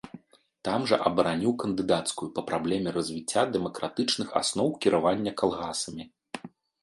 Там жа абараніў кандыдацкую па праблеме развіцця дэмакратычных асноў кіравання калгасамі.